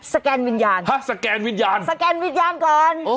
สแกนวิญญาณสแกนวิญญาณก่อน